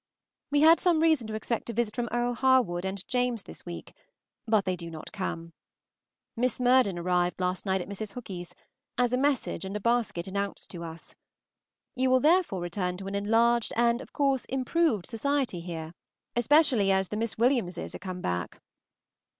We had some reason to expect a visit from Earle Harwood and James this week, but they do not come. Miss Murden arrived last night at Mrs. Hookey's, as a message and a basket announced to us. You will therefore return to an enlarged and, of course, improved society here, especially as the Miss Williamses are come back.